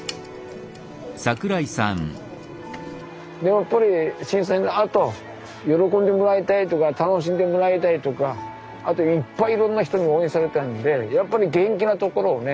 やっぱり震災のあと喜んでもらいたいとか楽しんでもらいたいとかあといっぱいいろんな人に応援されたんでやっぱり元気なところをね